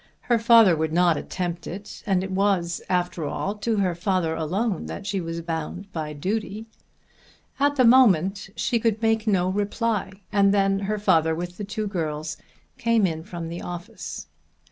Her father would not attempt it, and it was, after all, to her father alone, that she was bound by duty. At the moment she could make no reply, and then her father with the two girls came in from the office.